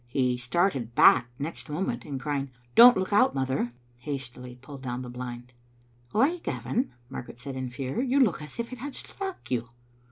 He started back next moment, and crying, *' Don't look out, mother," hastily pulled down the blind. "Why, Gavin," Margaret said in fear, "you look as if it had struck you."